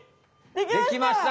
できました！